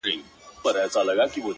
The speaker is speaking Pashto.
هغه هغه پخوا چي يې شپېلۍ ږغول-